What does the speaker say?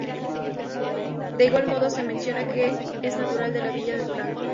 De igual modo, se menciona que es natural de la villa de Durango.